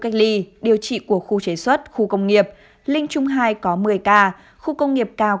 cách ly điều trị của khu chế xuất khu công nghiệp linh trung hai có một mươi ca khu công nghiệp cao